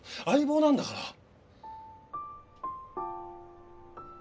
相棒なんだから。